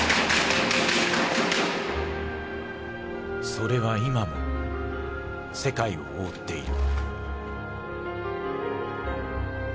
それは今も世界を覆っている。